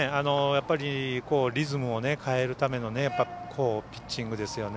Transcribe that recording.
リズムを変えるためのピッチングですよね。